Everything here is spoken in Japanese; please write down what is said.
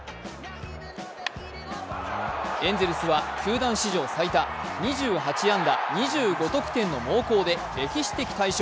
エンゼルスは球団史上最多２８安打２５得点の猛攻で歴史的大勝。